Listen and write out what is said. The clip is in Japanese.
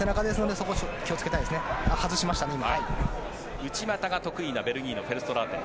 内股が得意なベルギーのフェルストラーテン。